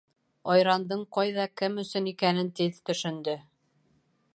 Айрандың ҡайҙа, кем өсөн икәнен тиҙ төшөндө.